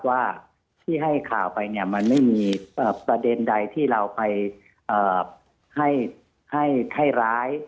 ว่าที่ให้ข่าวไปเนี่ยมันไม่มีประเด็นใดที่เราไปให้ร้าย